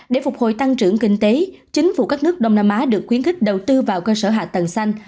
để phục hồi tăng trưởng kinh tế chính phủ các nước đông nam á được khuyến khích đầu tư vào cơ sở hạ tầng xanh